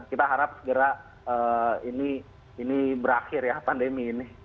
kita harap segera ini berakhir ya pandemi ini